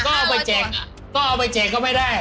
ก็เอาไปแจกก็ไม่ได้